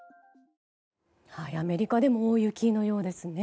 アメリカでも大雪のようですね。